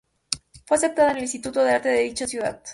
Fue aceptada en el Instituto de Arte de dicha ciudad.